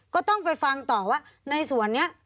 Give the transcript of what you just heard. ก็ต้องไปฟังต่อว่าในส่วนนี้